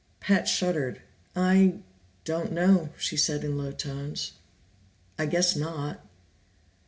Pat shuddered. "I don't know," she said in low tones. "I guess not."